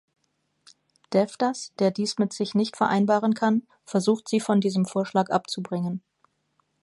Devdas, der dies mit sich nicht vereinbaren kann, versucht sie von diesem Vorschlag abzubringen.